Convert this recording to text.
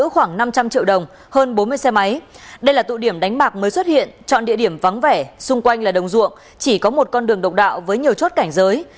hơn bốn mươi xe máy đây là tụ điểm đánh bạc mới xuất hiện chọn địa điểm vắng vẻ xung quanh là đồng ruộng chỉ có một con đường độc đạo với nhiều chốt cảnh giới